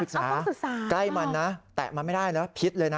ใกล้มันนะแตะมันไม่ได้นะพิษเลยนะ